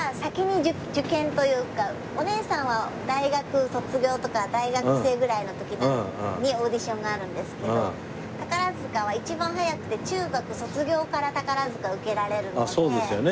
おねえさんは大学卒業とか大学生ぐらいの時にオーディションがあるんですけど宝塚は一番早くて中学卒業から宝塚受けられるので。